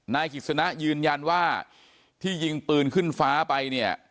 นายกิจสนะยืนยันว่าที่ยิงปืนขึ้นฟ้าไปเนี่ย